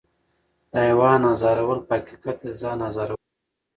د حیوان ازارول په حقیقت کې د ځان ازارول دي.